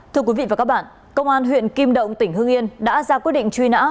thưa quý vị và các bạn công an huyện kim động tỉnh hương yên đã ra quyết định truy nã